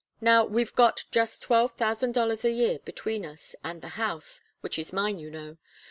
Now, we've got just twelve thousand dollars a year between us, and the house, which is mine, you know.